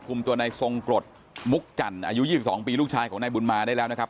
ตัวนายทรงกรดมุกจันทร์อายุ๒๒ปีลูกชายของนายบุญมาได้แล้วนะครับ